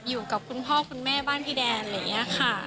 อยู่กับคุณพ่อคุณแม่บ้านพี่แดนอะไรอย่างนี้ค่ะ